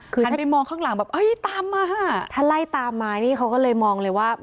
คือหันไปมองข้างหลังแบบเอ้ยตามมาถ้าไล่ตามมานี่เขาก็เลยมองเลยว่า